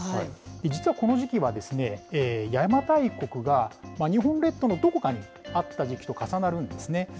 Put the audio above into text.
実はこの時期は、邪馬台国が日本列島のどこかにあった時期と重なるんですね。